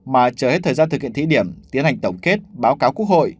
mà chờ hết thời gian thực hiện thí điểm tiến hành tổng kết báo cáo quốc hội